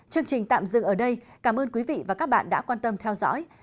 chương trình tạm dừng ở đây cảm ơn quý vị và các bạn đã quan tâm theo dõi